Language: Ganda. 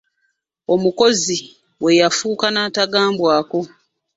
Omukozi we yafuuka nantagambwako.